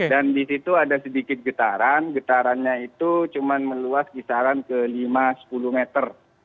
dan di situ ada sedikit getaran getarannya itu cuma meluas kisaran ke lima sepuluh meter